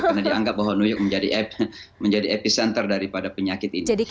karena dianggap bahwa new york menjadi epicenter daripada penyakit ini